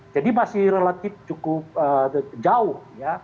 jadi masih relatif cukup jauh